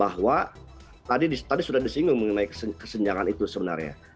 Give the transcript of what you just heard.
bahwa tadi sudah disinggung mengenai kesenjangan itu sebenarnya